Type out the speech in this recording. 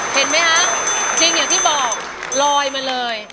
เห็นไหมคะจริงอย่างที่บอกลอยมาเลย